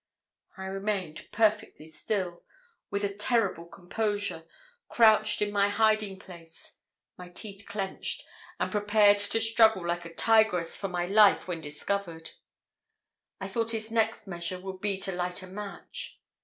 I remained perfectly still, with a terrible composure, crouched in my hiding place, my teeth clenched, and prepared to struggle like a tigress for my life when discovered. I thought his next measure would be to light a match.